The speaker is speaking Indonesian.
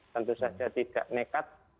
tentu saja tidak nekat